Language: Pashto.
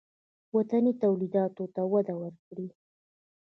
وطني تولیداتو ته وده ورکړئ